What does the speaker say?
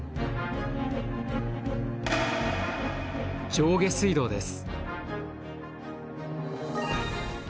上下水道です。